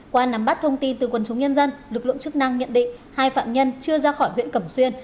qua nắm bắt thông tin từ quần chúng nhân dân lực lượng chức năng nhận định hai phạm nhân chưa ra khỏi huyện cẩm xuyên